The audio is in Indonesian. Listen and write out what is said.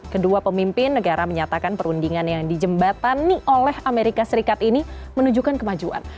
kedua pemimpin negara menyatakan perundingan yang dijembatani oleh amerika serikat ini menunjukkan kemajuan